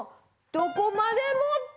「どこまでも」